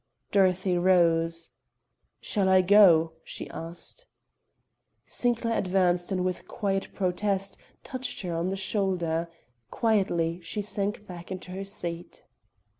Dorothy rose. "Shall I go?" she asked. Sinclair advanced and with quiet protest, touched her on the shoulder. Quietly she sank back into her seat.